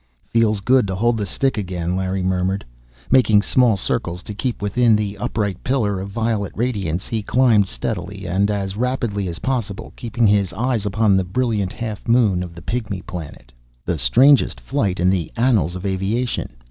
"Feels good to hold the stick again!" Larry murmured. Making small circles to keep within the upright pillar of violet radiance, he climbed steadily and as rapidly as possible, keeping his eyes upon the brilliant half moon of the Pygmy Planet. The strangest flight in the annals of aviation!